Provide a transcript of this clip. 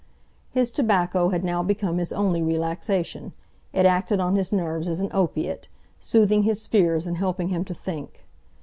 His tobacco had now become his only relaxation; it acted on his nerves as an opiate, soothing his fears and helping him to think.